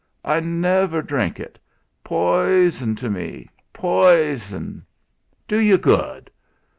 I never drink it. Poison to me! Poison!" "Do you good!"